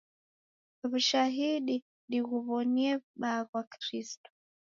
W'ushahidi dighuwonie w'ubaa ghwa Kristo.